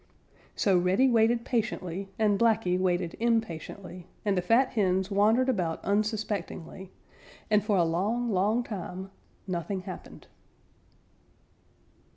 So Reddy waited patiently and Blacky waited impatiently, and the fat hens wandered about unsuspectingly, and for a long, long time nothing happened.